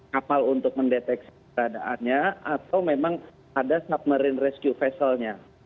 kapal untuk mendeteksi peradaannya atau memang ada submarine rescue vessel nya